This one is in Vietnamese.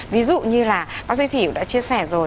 ví dụ như là bác sĩ thị đã chia sẻ rồi